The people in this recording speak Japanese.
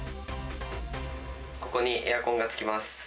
ここにエアコンがつきます。